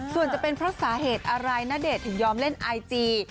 ส่วนจะเป็นเพราะสาเหตุอะไรณเดชน์ถึงยอมเล่นไอจี